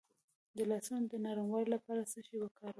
د لاسونو د نرموالي لپاره څه شی وکاروم؟